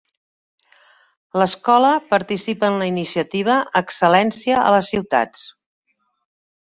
L'escola participa en la iniciativa "Excel·lència a les ciutats".